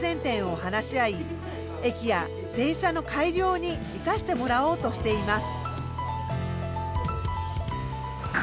駅や電車の改良に生かしてもらおうとしています。